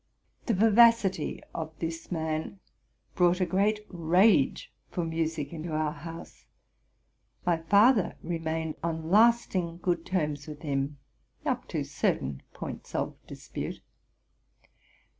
The vivacity of this man brought a great rage for music into our house. My father remained on lasting good terms with him up to certain points of dispute.